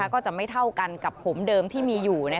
ก็จะไม่เท่ากันกับผมเดิมที่มีอยู่